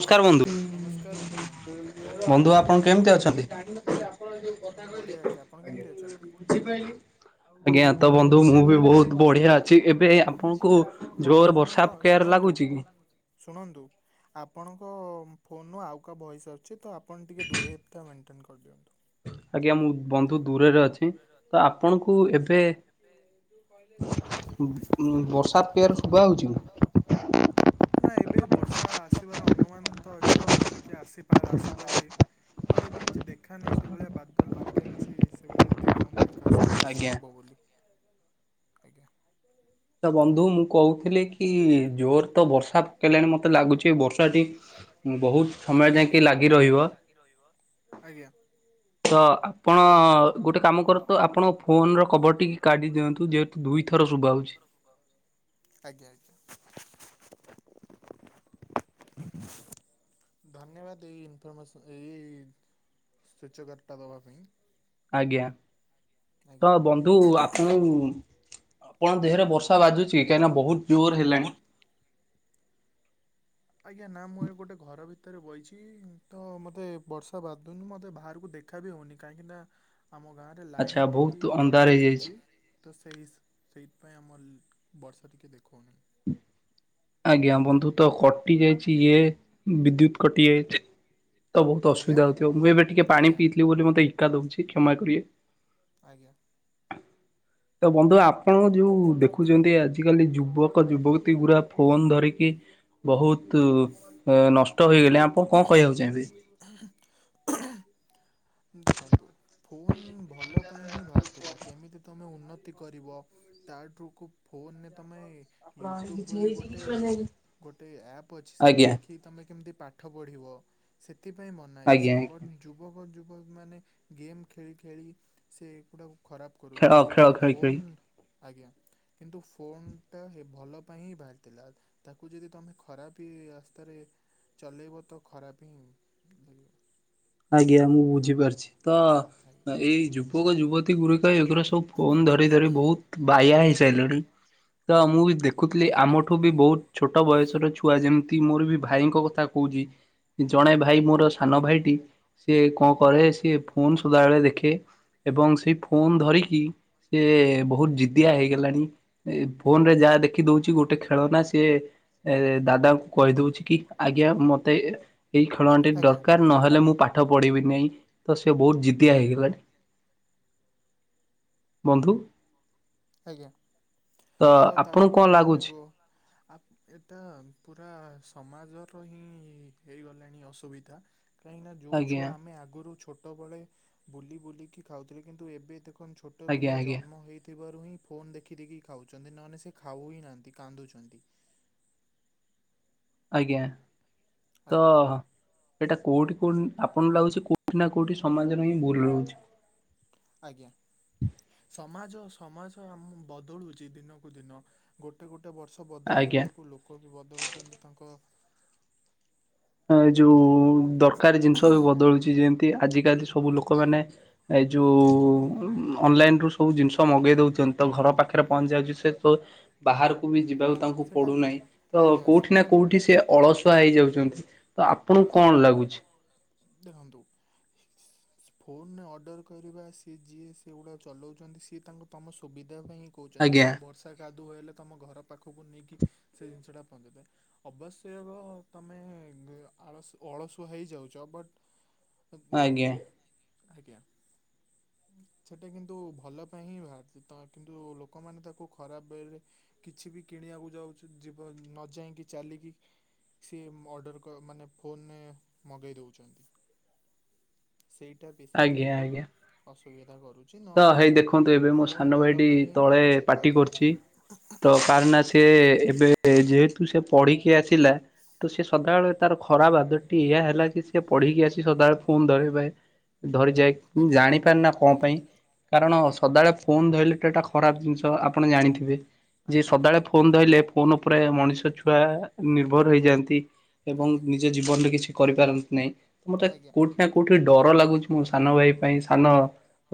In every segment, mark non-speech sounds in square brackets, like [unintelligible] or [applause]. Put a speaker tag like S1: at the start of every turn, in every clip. S1: ନମସ୍କାର ବନ୍ଧୁ
S2: ନମସ୍କାର ବନ୍ଧୁ ଜଣକ ଜୟ
S1: ବନ୍ଧୁ
S2: ଜଗନ୍ନାଥ
S1: ଆପଣ କେମିତି ଅଛନ୍ତି? ଆପଣ ଯାଉ
S2: ମୁଁ
S1: କଥା
S2: ବଢ଼ିଆ
S1: କହିଲେ
S2: ଅଛି ଆପଣ କେମିତି
S1: ଆଜ୍ଞା।
S2: ଅଛନ୍ତି?
S1: [unintelligible] ଆଜ୍ଞା। ତ ବନ୍ଧୁ ମୁଁ ବି ବହୁତ ବଢିଆ ଅଛି ଏବେ ଆପଣଙ୍କୁ
S2: ବନ୍ଧୁ
S1: ଜୋର
S2: ଜଣକ
S1: ବର୍ଷା ପକେଇବାରେ
S2: ଶୁଣନ୍ତୁ
S1: ଲାଗୁଛି କି?
S2: ଶୁଣନ୍ତୁ ଆପଣଙ୍କ ଫୋନରୁ ଆଉ କାହା ଭଏସ ଆସୁଛି ତ ଆପଣ ଟିକେ ଦୂରେଇତା ମେଣ୍ଟ ଅଟେଣ୍ଡ କରିଦିଅନ୍ତୁ।
S1: ଆଜ୍ଞା ମୁଁ ବନ୍ଧୁ ଦୂରରେ ଅଛି ତ ଆପଣଙ୍କୁ ଏବେ।
S2: ଯୋଉ କହିଲେ ଯୋଉ ବର୍ଷା
S1: ବର୍ଷା ଶୁଭା
S2: ପକେଇବାର
S1: ହଉଛି କି?
S2: ଶୁଭା ଯାଉଛି। ନା ଏବେ ବର୍ଷା ଆସିବାର ଅନୁମାନ ତ ଅଛି ମତେ ଟିକେ ଆସିପାରେ ଆସିପାରେ। ବଟ ଏବେ କିଛି ଦେଖାନାହିଁ ସେଭଳିଆ ବାଦଲ ହରିକା କିଛି ସେଭଳିଆ ଦେଖଉନି ଆ କାସ କି ବର୍ଷା
S1: ଆଜ୍ଞା।
S2: ହେବ ବୋଲି ଆଜ୍ଞା।
S1: ତ ବନ୍ଧୁ ମୁଁ କହୁଥିଲି କି ଜୋର ତ ବର୍ଷା ପକେଇଲାଣି ମତେ ଲାଗୁଛି ଏ ବର୍ଷାଟି। ବହୁତ ସମୟ ଯାଙ୍କେ ଲାଗି ରହିବ।
S2: ରହିବ ଆଜ୍ଞା।
S1: ତ ଆପ ଆପଣ ଗୋଟେ କାମ କରନ୍ତୁ ଆପଣଙ୍କ ଫୋନ ର କଭର ଟିକି କାଢି ଦିଅନ୍ତୁ ଯେହେତୁ ଦୁଇଥର ଶୁଭା ହଉଛି।
S2: ଆଜ୍ଞା ଆଜ୍ଞା। ଧନ୍ୟବାଦ ଏଇ ଇନଫର୍ମେସନ୍ ଏଇ ସ୍ୱଚକାରତା ଦବା ପାଇଁ।
S1: ଆଜ୍ଞା
S2: ଆଜ୍ଞା।
S1: ତ ବନ୍ଧୁ ଆପଣ। ଆପଣଙ୍କ ଦେହରେ ବର୍ଷା ବାଜୁଛି କାହିଁକିନା ବହୁତ ଜୋରେ ହେଲାଣି।
S2: ଆଜ୍ଞା ନା ମୁଁ ଏ ଗୋଟେ ଘର ଭିତରେ ବଇଛି ତ ମତେ ବର୍ଷା ବାଦୁନି ମତେ ବାହାରକୁ ଦେଖ ଖା ବି ହଉନି କାହିଁକି ନା ଆମ ଗାଁରେ
S1: ଆଚ୍ଛା
S2: ଲାଇନ
S1: ବହୁତ
S2: ଟିକି
S1: ଅନ୍ଧାର
S2: କଟି
S1: ହେଇଯାଇଛି।
S2: ଯାଇଛି। ତ ସେଇତ ସେଇଥିପାଇଁ ଆମର ବର୍ଷା ଟିକେ ଦେଖଉନି।
S1: ଆଜ୍ଞା ବନ୍ଧୁ ତ କଟି ଯାଇଛି ଇଏ ବିଦ୍ୟୁତ କଟି ଯାଇଛି। ତ ବହୁତୁ
S2: ଆଜ୍ଞା
S1: ଅସୁବିଧା ହଉଥିବ ମୁଁ ଏବେ ଟିକେ ପାଣି
S2: ଆଜ୍ଞା
S1: ପିଇଥିଲି ବୋଲି ମତେ ହିକା ଦଉଛି କ୍ଷମା କରିବେ।
S2: ଆଜ୍ଞା।
S1: ତ ବନ୍ଧୁ ଆପଣ ଯେଉ ଦେଖୁ ଯେମିତି ଆଜିକାଲି ଯୁବକ ଯୁବତୀ ଗୁଡା ଫୋନ ଧରିକି ବହୁତ ତୁ ଅ ନଷ୍ଟ ହେଇଗଲେ ଆପଣ କଣ କହିବାକୁ ଚାହିଁବେ?
S2: [unintelligible] ଦେଖନ୍ତୁ ଫୋନ୍ ଭଲ ପାଇଁ ହିଁ ବାହାରିଥିଲା କେମିତି ତମେ ଉନ୍ନତି କରିବ ତାଠୁକୁୁ ଫୋନରେ ତମେ ୟୁଟ୍ୟୁବ୍ ବୋଲି ଗୋଟେ ଗୋଟେ ଆପ୍ ଅଛି ସେଇଟା
S1: ଆଜ୍ଞା
S2: ଦେଖିକି ତମେ କେମିତି ପା ଠ ପଢ଼ିବ ସେଥିପାଇଁ ବନା
S1: ଆଜ୍ଞା
S2: ହେଇଛି
S1: ଆଜ୍ଞା
S2: ବଟ ଯୁବକ ଯୁ [unintelligible] ମାନେ ଗେମ୍ ଖେଳି ଖେଳି ସେଗୁଡା ଖରାପ
S1: ଖେଳ
S2: କରୁଚନ୍ତି
S1: ଖେଳ
S2: କିନ୍ତୁ
S1: ଖେଳି ଖେଳି
S2: ଫୋନ୍ ଆଜ୍ଞା। କିନ୍ତୁ ଫୋନ ଟା ହେ ଭଲ ପାଇଁ ହିଁ ବାହାରିଥିଲା। ତାକୁ ଯଦି ତମେ ଖରାପି ରାସ୍ତାରେ ଚଲେଇବ ତ ଖରାପ ହିଁ ଲାଗିବ।
S1: ଆଜ୍ଞା ମୁଁ ବୁଝିପାରୁଛି ତ
S2: ଆଜ୍ଞା
S1: ଏଇ ଯୁବକ ଯୁବତୀ ଗୁରିକ ଏଗୁରା ସ ସବୁ ଫୋନ ଧରି ଧରି ବହୁତ ବାୟା ହେଇସାଇଲାଣି ତ ମୁଁ ଦେଖୁଥିଲି
S2: ଆଜ୍ଞା
S1: ଆମ ଠୁ ବି ବହୁତ ଛୋଟ ବୟସର ଛୁଆ ଯେମିତି ମୋର ବି ଭାଇଙ୍କ କଥା କହୁଚି। ଜଣେ ଭାଇ ମୋର ସାନ ଭାଇଟି ସିଏ କଣ କରେ ସିଏ ଫୋନ ସଦାବେଳେ ଦେଖେ। ଏବଂ ସେଇ ଫୋନ ଧରିକି ସିଏ ବହୁତ ଜିଦିଆ ହେଇଗଲାଣି ଏ ଫୋନ ରେ ଯାହା ଦେ ଖି ଦଉଚି ଗୋଟେ ଖେଳନା ସିଏ ଏ ଦାଦାଙ୍କୁ କଇଦଉଛି କି ଆଜ୍ଞା ମତେ ଏଇ ଖେଳଣାଟି
S2: ଆଜ୍ଞା
S1: ଦରକାର ନହେଲେ ମୁଁ ପାଠ ପଢିବି ନେହିଁ ତ ସେ ବହୁତ ଜିଦିଆ ହେଇଗଲାଣି। ବନ୍ଧୁ।
S2: ଆଜ୍ଞା ତ ତାକୁ
S1: ଆପଣଙ୍କୁ କଣ
S2: ତମେ
S1: ଲାଗୁଛି
S2: ଗୋ ଆ ଏତ ପୁରା ସମାଜର ହିଁ ହେଇଗଲାଣି ଅସୁବିଧା। କାହିଁକିନା ଯଉ
S1: ଆଜ୍ଞା
S2: ଛୁଆ ଆମେ ଆଗରୁ ଛୋଟବେଳେ ବୁଲି ବୁଲିକି ଖାଉଥିଲେ କିନ୍ତୁ ଏବେ ଦେଖ ଛୋଟ
S1: ଆଜ୍ଞା
S2: ପିଲା
S1: ଆଜ୍ଞା
S2: ଜନ୍ମ ହେଇଥିବା ରୁ ହିଁ ଫୋନ ଦେଖି ଦେକି ଖାଉଚନ୍ତି ନହେନେ ସିଏ ଖାଉ ହି ନାହାନ୍ତି କାନ୍ଦୁଛନ୍ତି।
S1: ଆଜ୍ଞା ତ
S2: ଆଜ୍ଞା
S1: ସେଇଟା କୋଉଠି କୋଉ ଆପଣଙ୍କୁ ଲାଗୁଛି କୋଉଠି ନା କୋଉଠି ସମାଜର ହିଁ ଭୁଲ ରହୁଛି।
S2: ଆଜ୍ଞା ସମାଜ ସମାଜ ଆମ ବଦଳୁଚି ଦିନକୁ ଦିନ। ଗୋଟେ ଗୋଟେ ବର୍ଷ ବଦଳିଲା
S1: ଆଜ୍ଞା।
S2: ବେଳକୁ ଲୋକ ବି ବଦଳୁଚନ୍ତି ତାଙ୍କ
S1: ଏ ଯୋଉ
S2: ଆଜ୍ଞା।
S1: ଦରକାର ଜିନିଷ ବି ବଦଳୁଚି ଯେମତି ଆଜିିକାଲି ସବୁ ଲୋକମାନେ ଏ ଯୋଉ ଅନଲାଇନ ରୁ ସବୁ ଜିନିଷ ମଗେଇ ଦଉଚନ୍ତି ତ ଘର ପାଖରେ ପହଞ୍ଚି ଯାଉଚି ସେ ବାହାରକୁ ବି ଯିବାକୁ ତାଙ୍କୁ
S2: ସେଟା
S1: ପଡୁନାହିଁ ତ
S2: ଆଜ୍ଞା
S1: କୋଉଠି
S2: ସେଟା
S1: ନା କୋଉଠି ସେ ଅଳସୁଆ ହେଇଯାଉଚନ୍ତି ତ ଆ ଆପଣଙ୍କୁ
S2: ହଁ
S1: କଣ ଲାଗୁଛି?
S2: ଦେଖନ୍ତୁ ଫୋନ ରେ ଅର୍ଡ଼ର କରିବା ସିଏ ଯିଏ ସେଗୁଡ଼ାକ ଚଲାଉଚନ୍ତି ସିଏ ତାଙ୍କୁ ତମ ସୁବିଧା ପାଇଁ କଉଚନ୍ତି
S1: ଆଜ୍ଞା
S2: କେବେ ବର୍ଷା କାଦୁଅ ହେଲେ ତମ ଘର ପାଖକୁ ନେଇକି ସେ ଜିନିଷ ଟା ପହଞ୍ଚେଇ ଦେବେ। ଅବଶ୍ୟ ର ତମେ [unintelligible] ଆଳସ ଅଳସୁଆ ହେଇଯାଉଚ ବଟ୍ ମାନେ
S1: ଆଜ୍ଞା
S2: ଆଜ୍ଞା। ସେଟା କିନ୍ତୁ ଭଲ ପାଇଁ ହିଁ ବାହାରିଚି ତ କିନ୍ତୁ ଲୋକମାନେ ତାକୁ ଖରାପ ଇଏରେ କିଛି ବି କିଣିବାକୁ ଯାଉଚ ଯିବ ନ ଯାଇକି ଚାଲିକି ସିଏ ଅର୍ଡ଼ର କ ମାନେ ଫୋନ୍ ରେ ମଗେଇ ଦଉଚନ୍ତି ସେଇଟା ବେଶୀ
S1: ଆଜ୍ଞା
S2: ଟିକେ
S1: ଆଜ୍ଞା।
S2: ଅସୁବିଧା କରୁଚି
S1: ତ
S2: ନହେନେ
S1: ହେଇ ଦେଖନ୍ତୁ ଏବେ ମୋ
S2: ଫୋ-ଫୋନ୍
S1: ସାନ
S2: ଭଲ
S1: ଭାଇଟି
S2: ପାଇଁ ହିଁ ବାହାରିଚି ଆଜ୍ଞା। [unintelligible] ହ
S1: କାର ନା ସେ ଏବେ ଯେହେତୁ ସେ ପଢିକି ଆସିଲା ତ ସେ ସଦାବେଳେ ତାର ଖରାପ ଆଦରଟି ଇଆ ହେଲା କି ସି ପଢ଼ିକି ଆସି ସଦାବେଳେ ଫୋନ୍ ଧରି ବା ପାଇ ଧରିଯାଏ ମୁଁ
S2: ଆଜ୍ଞା
S1: ଜାଣିପାର ନା କଣ ପାଇଁ କାରଣ ସଦାବେଳେ ଫୋନ୍ ଧରିଲଟା ଖରାପ ଜିନିଷ ଆପଣ ଜାଣିଥିବେ ଯେ
S2: ଆଜ୍ଞା
S1: ସଦାବେଳେ ଫୋନ୍ ଧହିଲେ ଫୋନ ଉପରେ ମଣିଷ ଛୁଆ ନିର୍ଭର ହେଇଯାଆନ୍ତି ଏବଂ
S2: ଆଜ୍ଞା
S1: ଯେ ଜୀବନ ରେ କିଛି କରିପାରନ୍ତି ନାହିଁ ତ ମତେ
S2: ଆଜ୍ଞା
S1: କୋଉଠି ନା କୋଉଠି ଡର ଲାଗୁଛି। ମୁଁ ସାନ ଭାଇ ପାଇଁ ସାନ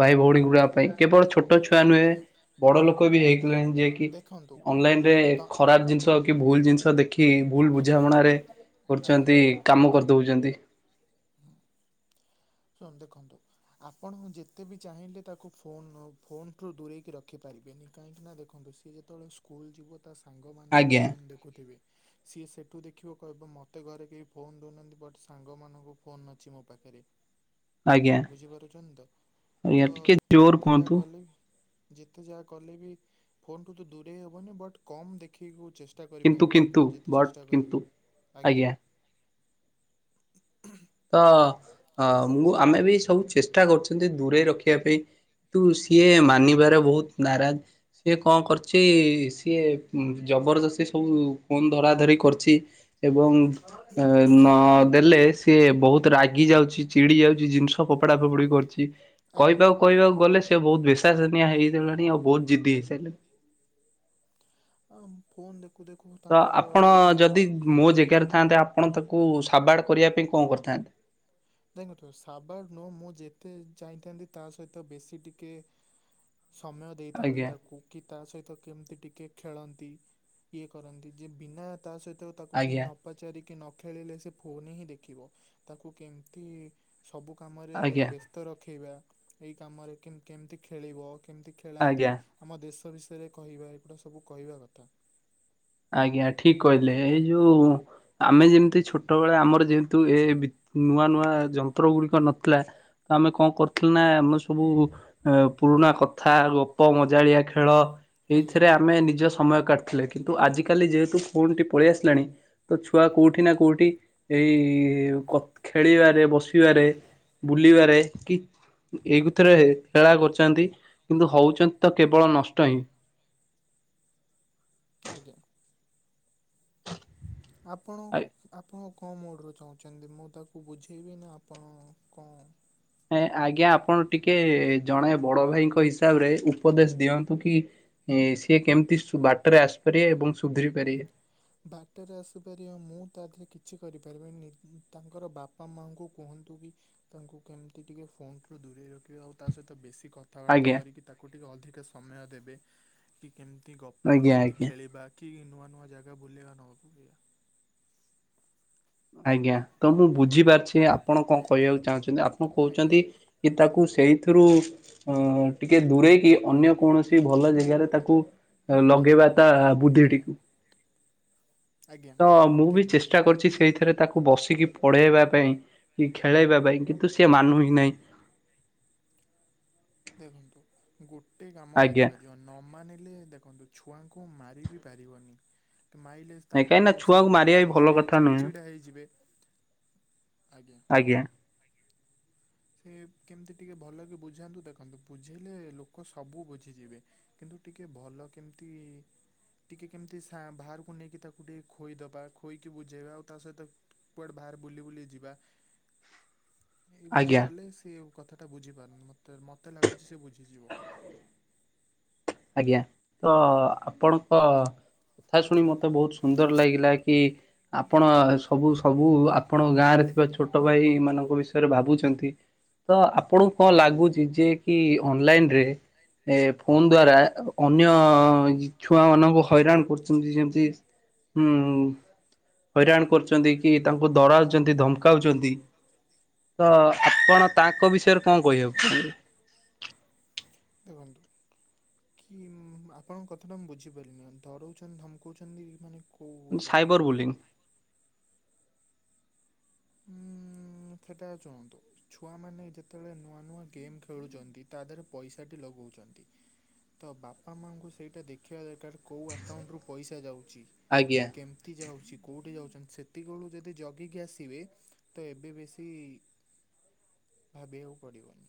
S1: ଭାଇ ଭଉଣୀ ଗୁଡା ପାଇଁ କେବଳ ଛୋଟ ଛୁଆ ନୁହେ
S2: ଆଜ୍ଞା
S1: ବଡ ଲୋକ ବି ହେଇଥିଲେଣି ଯିଏ କି
S2: ଦେଖନ୍ତୁ
S1: ଅନଲାଇନ ରେ
S2: ତ
S1: ଖରାପ ଜିନିଷ କି ଭୁଲ ଜିନିଷ ଦେଖି ଭୁଲ
S2: ଆଜ୍ଞା
S1: ବୁଝାମଣାରେ
S2: ଆଜ୍ଞା
S1: କରୁଛନ୍ତି କାମ କରିଦଉଛନ୍ତି।
S2: ହଁ। ଶନ ଦେଖନ୍ତୁ। ଆପଣ ଯେତେ ବି ଚାହିଁଲେ ତାକୁ ଫୋନ ଫୋନ ଠୁ ଦୂରେଇକି ରଖିପାରିବେନି କାହିଁକି ନା ଦେଖନ୍ତୁ। ଇ ଯେତେବେଳେ ସ୍କୁଲ ଯିବ ତା ସାଙ୍ଗ ମାନ ବି
S1: ଆଜ୍ଞା।
S2: ଫୋନ ଦେଖୁଥିବେ। ସିଏ ସେଠୁ ଦେଖିବ କହିବ ମୋତେ ଘରେ କେହି ଫୋନ ଦେଉନାହାନ୍ତି ବଟ୍ ସାଙ୍ଗମାନଙ୍କୁ ଫୋନ୍ ଅଛି ମୋ ପାଖରେ।
S1: ଆଜ୍ଞା
S2: ବୁଝିପାରୁଛନ୍ତି ତ
S1: ଆଜ୍ଞା ଟିକେ
S2: ତ
S1: ଜୋର
S2: ଯେତେ ଯାହା
S1: କୁହନ୍ତୁ
S2: କଲେ ବି ଯେତେ ଯାହା କଲେ ବି ଫୋନଠୁ ତ ଦୂରେଇ ହେବନି ବଟ୍ କମ୍ ଦେଖିକୁ ଚେଷ୍ଟା
S1: କିନ୍ତୁ
S2: କରିପାରିବ
S1: କିନ୍ତୁ
S2: ଆପଣ ଯଦି
S1: ବଟ୍
S2: ଚେଷ୍ଟା
S1: କିନ୍ତୁ
S2: କରିବେ ଆଜ୍ଞା।
S1: ତ ଅ ମୁ ଆମେ ବି ସବୁ ଚେଷ୍ଟା କରୁଛନ୍ତି ଦୂରେଇ ରଖିବା ପାଇଁ। ତୁ ସିଏ ମାନିବାରେ ବହୁତ ନାରାଜ ସିଏ କଣ କରଛି। କି ସିଏ ଜବରଦସ୍ତି ସବୁ ଫୋନ୍ ଧରା ଧରି କରିଛି ଏବଂ ଆ ନ ଦେଲେ ସେ ବହୁତ ରାଗି ଯାଉଛି ଚିଡି ଯାଉଛି ଜିନିଷ ଫପୋଡା ଫପୋଡି କରୁଛି
S2: ଆଜ୍ଞା।
S1: କହିବା ଆଉ କହିବାକୁ ଗଲେ ସେ ବହୁତ ଭେଷାଜନିଆ ହେଇଗଲାଣି ଆଉ ବହୁତ ଜିଦ୍ [unintelligible] ହେଇସାରିଲଣି
S2: ହଁ ଫୋନ ଦେଖ
S1: ତ ଆପଣ ଯଦି ମୋ ଜେଗାରେ ଥାଆନ୍ତେ ଆପଣ ତାକୁ ସାବାଡ କରିବା ପାଇଁ କଣ କରିଥାନ୍ତେ?
S2: ତାଇ ନଥିବ ସାବାର ନୁ ମୁଁ ଯେତେ ଜାଇଥାନ୍ତି ତା ସହିତ ବେଶୀ ଟିକେ ସମୟ ଦେଇଥାନ୍ତି
S1: ଆଜ୍ଞା
S2: ତାକୁ କି ତା ସହିତ କେମିତି ଟିକେ ଖେଳନ୍ତି ଇଏ କରନ୍ତି ଯେ ବିନା ତା ସହିତ ତାକୁ କେହି
S1: ଆଜ୍ଞା
S2: ନ ପଚାରିକି ନ ଖେଳିଲେ ସେ ଫୋନ ହିଁ ଦେଖିବ ତାକୁ କେମିତି ସବୁ କାମରେ
S1: ଆଜ୍ଞା
S2: ବ୍ୟସ୍ତ ରଖେଇବା ଏଇ କାମରେ କେମେ କେମୀତି ଖେଳିବ କେମିତି ଖେଳାନ୍ତି
S1: ଆଜ୍ଞା।
S2: ଆମ ଦେଶ ବିଷୟରେ କହିବା ଏଗୁଡ଼ା ସବୁ କହିବା କଥା
S1: ଆଜ୍ଞା ଠିକ କହିଲେ ଏଇ ଯୋଉ ଆମେ ଯେମିତି ଛୋଟବେଳେ ଆମର ଯେହେତୁ ଏ ବି ନୂଆ ନୂଆ ଯନ୍ତ୍ର ଗୁଡିକ ନଥିଲା। ଆମେ କଣ କରୁଥିଲୁ ନା ଆମ ସବୁ ଅ ପୁରୁଣା କଥା ଗପ ମଜାଳିଆ ଖେଳ
S2: ଆଜ୍ଞା
S1: ଏଇଥିରେ ଆମେ ନିଜ ସମୟ କାଟିୁଥିଲେ କିନ୍ତୁ ଆଜିକାଲି ଯେହେତୁ ଫୋନ ଟି ପଳେଇ ଆସିଲାଣି ତ ଛୁଆ କୋଉଠି ନା କୋଉଠି ଏଇ କ ଖେଳିବାରେ ବସିବାରେ ବୁଲିବାରେ କି ଏଇକୁୁତ ରେ ହେଳା କରୁଛନ୍ତି କିନ୍ତୁ ହଉଛନ୍ତି ତ କେବଳ ନଷ୍ଟ ହିଁ
S2: ଆଜ୍ଞା ଆପଣ
S1: ଆଉ
S2: ଆପଣ କଣ ମୋଡ଼ରୁ ଚାହୁଁଛନ୍ତି ମୁଁ ତାକୁ ବୁଝେଇବି ନା ଆପଣ କଣ
S1: ହେଁ ଆଜ୍ଞା ଆପଣ ଟିକେ ଜଣେ ବଡ ଭାଇଙ୍କ ହିସାବରେ ଉପଦେଶ ଦିଅନ୍ତୁ କି ଏ ସିଏ କେମିତି ଶୁ ବାଟରେ ଆସିପାରିବେ ଏବଂ ସୁଧୁରି ପାରିବେ
S2: ବାଟରେ ଆସିପାରିବା ମୁଁ ତା ଦେ କିଛି କରିପାରିବିନି ତାଙ୍କର ବାପା ମାଙ୍କୁ କୁହନ୍ତୁ କି ତାଙ୍କୁ କେମିତି ଟିକେ ଫୋନ ଟୁ ଦୂରେଇ ରଖିବ ଆଉ ତା ସହିତ ବେଶୀ କଥା କଥାବାର୍ତ୍ତା
S1: ଆଜ୍ଞା।
S2: କରିକି ତାକୁ ଟିକିଏ ଅଧିକ ସମୟ ଦେବେ କି କେମିତି ଗ
S1: ଆଜ୍ଞା
S2: କେମିତି
S1: ଆଜ୍ଞା
S2: ଖେଳିବା କି ନୂଆ ନୂଆ ଜାଗା ବୁଲିବା ନ ଆଗୁଆ
S1: ଆଜ୍ଞା ତ ମୁଁ ବୁଝିପାରୁଛି ଆପଣ କଣ କହିବାକୁ ଚାହୁଁଛନ୍ତି ଆପଣ
S2: ଆଜ୍ଞା
S1: କହୁଛନ୍ତି କି ତାକୁ ସେଇଥିରୁ ଅ ଟିକେ ଦୂରେଇକି ଅନ୍ୟ କୌଣସି ଭଲ ଜାଗାରେ ତାକୁ ଲଗେଇବା
S2: ଲଗେଇବୁ
S1: ତା ବୁଦ୍ଧିଟି
S2: ଆଜ୍ଞା ଆଜ୍ଞା
S1: ତ ମୁଁ ବି
S2: ଠିକ୍ ବୁଝିଲେ
S1: ଚେଷ୍ଟା କରୁଚି ସେଇଥି ସେଥିରେ ତାକୁ ବସିକି ପଢ଼େଇବା ପାଇଁ କି ଖେଳେଇବା ପାଇଁ କିନ୍ତୁ ସେ ମାନୁ ହିଁ ନାହିଁ।
S2: ଦେଖନ୍ତୁ ଗୋଟେ କାମ
S1: ଆଜ୍ଞା
S2: କରିପାରିବ। ନ ମାନିଲେ ଦେଖନ୍ତୁ ଛୁଆଙ୍କୁ ମାରି ବିି ପାରିବନି। ମାଇଲେ
S1: କାହିଁକି
S2: ତାଙ୍କୁ
S1: ନା
S2: ସେ
S1: ଛୁଆକୁ
S2: ପୁଣି
S1: ମାରିବା ବି ଭଲ
S2: କାନ୍ଦିବେ
S1: କଥା ନୁହେଁ।
S2: ଚିଡଚିଡା ହେଇଯିବେ। ଆଜ୍ଞା। ସେ କେମତି ଟିକେ ଭଲ କି ବୁଝାନ୍ତୁ। ଦେଖନ୍ତୁ ବୁଝେଇଲେ ଲୋକ ସବୁ ବୁଝିଯିବେ। କିନ୍ତୁ ଟିକେ ଭଲ କେମିତି ଟିକେ କେମିତି ସା ବାହାରକୁ ନେଇକି ତାକୁ ଟିକେ ଖୋଇଦବା ଖୋଇକି ବୁଝେଇବା ଆଉ ତା ସହିତ କୁଆଡ଼େ ବାହାରେ ବୁଲି ବୁଲି ଯିବା।
S1: [inaudible]
S2: ଏଇଭଳିଆ
S1: ଆଜ୍ଞା
S2: କଲେ ସେ କଥା ଟା ବୁଝି ପାରୁନି। ମତେ ମତେ ଲାଗୁଛି ସେ ବୁଝିଯିବ।
S1: ଆଜ୍ଞା। ତ ଆପଣଙ୍କ କଥା ଶୁଣି ମୋତେ ବହୁତ ସୁନ୍ଦର ଲାଗିଲା କି ଆପଣ ସବୁ ସବୁ ଆପଣଙ୍କ ଗାଁ ରେ ଥିବା ଛୋଟ ଭାଇ ମାନଙ୍କ ବିଷୟରେ ଭାବୁଛନ୍ତି। ତ ଆପଣଙ୍କୁ କଣ ଲାଗୁଚି ଯେ କି ଅନଲାଇନ ରେ ଏ ଫୋନ୍ ଦ୍ଵାରା ଅନ୍ୟ ଛୁଆମାନଙ୍କୁ ହଇରାଣ କରୁଛନ୍ତି ଯେମିତି ଉଁ ହଇରାଣ କରୁଛନ୍ତି କି ତାଙ୍କୁ ଡରାଉଛନ୍ତି ଧମକାଉଛନ୍ତି ତ ଆପଣ ତାଙ୍କ ବିଷୟରେ କଣ କହିବାକୁ। [unintelligible]
S2: ଦେଖନ୍ତୁ କି ଆପଣଙ୍କ କଥା ଟା ମୁଁ ବୁଝିପାରିନି ଡରଉଛନ୍ତି ଧମକଉଛନ୍ତି ମାନେ କୋଉ ହିସାବରେ
S1: ସାଇବର ବୁଲିଂ
S2: କହୁଛନ୍ତି। ହୁଁ। [unintelligible] ଛୁଆମାନେ ଯେତେବେଳେ ନୂଆ ନୂଆ ଗେମ୍ ଖେଳୁଛନ୍ତି ତା ଦେହରେ ପଇସା ଟି ଲଗଉଛନ୍ତି। ତ ବାପା ମାଆଙ୍କୁ ସେଇଟା ଦେଖିବା ଦରକାର କୋଉ ଆକାଉଣ୍ଟରୁ ପଇସା ଯାଉଚି।
S1: ଆଜ୍ଞା।
S2: କେମିତି ଯାଉଚି କୋଉଁଠି ଯାଉଛନ୍ତି ସେତିକିବେଳୁ ଯଦି ଜଗିକି ଆସିବେ ତ ଏବେ ବେଶୀ ଭାବିବାକୁ ପଡିବନି।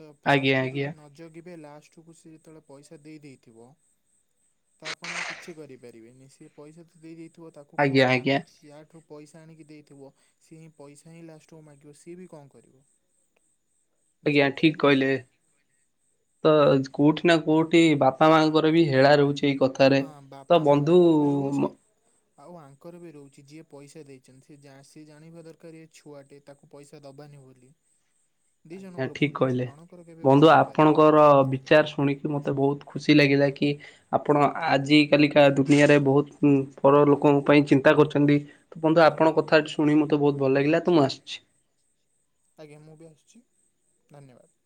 S2: ତ
S1: ଆଜ୍ଞା
S2: ଫାଷ୍ଟ ରୁ
S1: ଆଜ୍ଞା।
S2: ଯଦି ନ ଜଗିବେ ଲାଷ୍ଟ କୁ ଯେତେବେଳେ ପଇସା ଦେଇ ଦେଇଥିବ ତ ଆପଣ କିଛି କରିପାରିବେନି। ସେ ପଇସା ତ ଦେଇଥିବ ତାକୁ କୁ
S1: ଆଜ୍ଞା
S2: କହ
S1: ଆଜ୍ଞା
S2: ତାଙ୍କ ସିଆ ଠୁ ପଇସା ଆଣିକି ଦେଇଥିବ ସିଏ ହିଁ ପଇସା ହିଁ ଲାଷ୍ଟକୁ ମାଗିବ ସିଏ ବି କଣ କରିବ।
S1: ଆଜ୍ଞା ଠିକ୍
S2: ବୁଝିପାରୁଛନ୍ତି ତ
S1: କହିଲେ। ତ କୋଉଠି ନା କୋଉଠି ବାପା ମାଙ୍କର ବି ହେଳା ରହୁଚି ଏଇ କଥା
S2: ହଁ ବାପା ମାନଙ୍କର ବି ରହୁଚି ଆଉ ଆଙ୍କର ବି ରହୁଚି। ଯିଏ ପଇସା ଦେଇଛନ୍ତି, ସିଏ ଜାଣିବା ଦରକାର ଇଏ ଛୁଆଟି। ତାକୁ ପଇସା ଦବାନି ବୋଲି। ଦି
S1: ଆଜ୍ଞା
S2: ଜଣଙ୍କର
S1: ଠିକ୍
S2: ଭୁଲ ଅଛି
S1: କହିଲେ।
S2: ଜଣଙ୍କର କେବେ
S1: ବନ୍ଧୁ
S2: ଭୁଲ ହେଇପାରେନା।
S1: ଆପଣଙ୍କର
S2: ଆଜ୍ଞା
S1: ବିଚାର ଶୁଣି ମତେ ବହୁତ ଖୁସି ଲାଗିଲା କି ଆପଣ ଆଜି କାଲିକା ଦୁନିଆରେ ବହୁତ ଉଁ ପର
S2: ହୁଁ
S1: ଲୋକଙ୍କ ପାଇଁ ଚିନ୍ତା କରୁଛନ୍ତି। ତ ବନ୍ଧୁ
S2: ଆଜ୍ଞା
S1: ଆପଣଙ୍କ କଥା ଶୁଣି ମତେ ବହୁତ ଭଲ ଲାଗିଲା ତ ମୁ ଆସିଚି।
S2: ଆଜ୍ଞା ମୁଁ ବି ଆସୁଚି ଧନ୍ୟବାଦ।